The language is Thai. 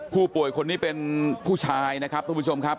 ผู้ป่วยคนนี้เป็นผู้ชายนะครับทุกผู้ชมครับ